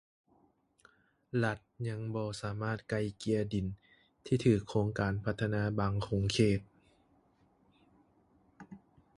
ລັດຍັງບໍ່ສາມາດໄກ່ເກ່ຍດິນທີ່ຖືກໂຄງການພັດທະນາບາງຂົງເຂດ